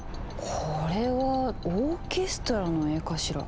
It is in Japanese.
これはオーケストラの絵かしら？